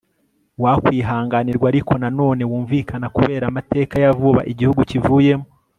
uwakwihanganirwa ariko na none wumvikana kubera amateka ya vuba igihugu kivuyemo